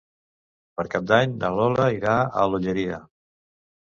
Per Cap d'Any na Lola irà a l'Olleria.